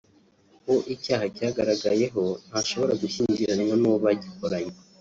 uwo icyaha cyagaragayeho ntashobora gushyingiranwa n’uwo bagikoranye